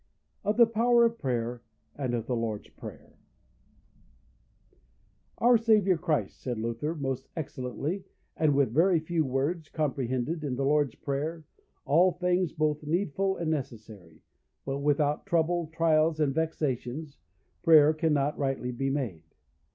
Of the Power of Prayer, and of the Lord's Prayer. Our Saviour Christ, said Luther, most excellently, and with very few words, comprehended, in the Lord's Prayer, all things both needful and necessary; but without trouble, trials, and vexations, prayer cannot rightly be made.